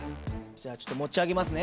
じゃあちょっと持ち上げますね。